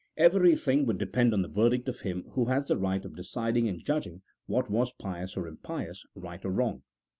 Everything would depend on the verdict of him who had the right of deciding and judging what was pious or impious, right or wrong.